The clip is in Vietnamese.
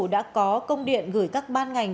đã có công điện gửi các ban ngành